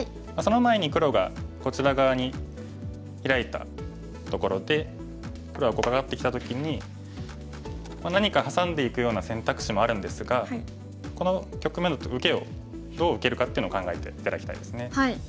その前に黒がこちら側にヒラいたところで黒はこうカカってきた時に何かハサんでいくような選択肢もあるんですがこの局面だと受けをどう受けるかっていうのを考えて頂きたいですね。